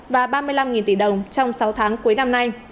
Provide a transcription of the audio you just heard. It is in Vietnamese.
và ba mươi năm tỷ đồng trong sáu tháng cuối năm nay